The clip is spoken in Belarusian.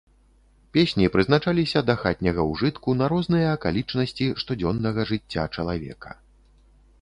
Песні прызначаліся да хатняга ўжытку на розныя акалічнасці штодзённага жыцця чалавека.